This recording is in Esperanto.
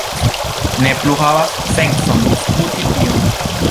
Ne plu havas sencon diskuti tion.